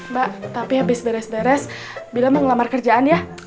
mbak tapi habis deres deres bila mau ngelamar kerjaan ya